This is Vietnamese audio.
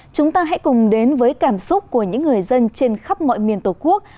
chúng ta hãy cùng đến với cảm xúc của những người dân trên khắp mọi miền tổ quốc